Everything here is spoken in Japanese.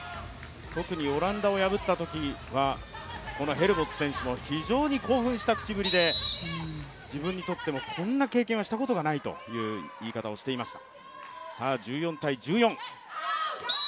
特にオランダを破ったときは、ヘルボッツ選手も非常に興奮した口ぶりで、自分にとってもこんな経験はしたことがないという言い方をしていました。